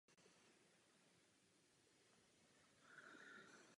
Účastnil se prací biblické komise a komise pro sestavení kancionálu.